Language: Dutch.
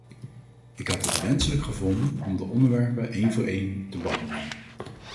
Ik had het wenselijk gevonden om de onderwerpen een voor een te behandelen.